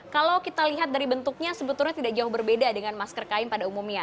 kalau kita lihat dari bentuknya sebetulnya tidak jauh berbeda dengan masker kain pada umumnya